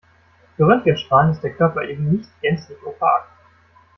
Für Röntgenstrahlen ist der Körper eben nicht gänzlich opak.